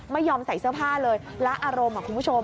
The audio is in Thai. ไม่ยอมใส่เสื้อผ้าเลยและอารมณ์คุณผู้ชม